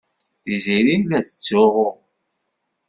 Tiziri la tettsuɣu.